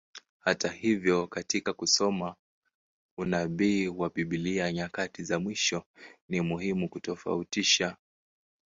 Hata hivyo, katika kusoma unabii wa Biblia nyakati za mwisho, ni muhimu kutofautisha.